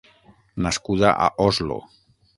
Nascuda a Oslo.